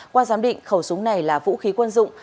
qua giám định khẩu súng này là vũ khí quân dụng